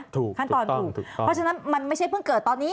ถูกถูกต้องถูกต้องขั้นตอนถูกพอฉะนั้นมันไม่ใช่เพิ่งเกิดตอนนี้